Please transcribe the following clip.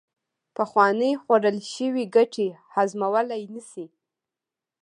پخوانې خوړل شوې ګټې هضمولې نشي